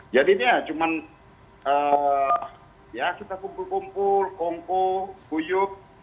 jadinya cuma ya kita kumpul kumpul kumpul buyuk